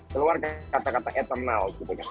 keluar kata kata eternal gitu kan